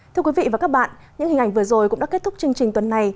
thưa quý vị và các bạn những hình ảnh vừa rồi cũng đã kết thúc chương trình tuần này